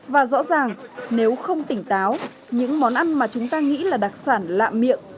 và rõ ràng nếu không tỉnh táo những món ăn mà chúng ta nghĩ là đặc sản lạ miệng